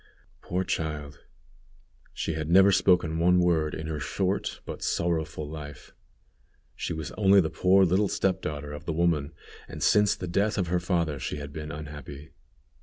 Poor child! she had never spoken one word in her short but sorrowful life. She was only the poor little step daughter of the woman, and since the death of her father she had been unhappy.